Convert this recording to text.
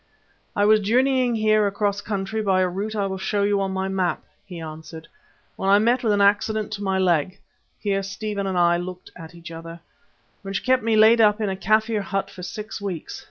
"I was journeying here across country by a route I will show you on my map," he answered, "when I met with an accident to my leg" (here Stephen and I looked at each other) "which kept me laid up in a Kaffir hut for six weeks.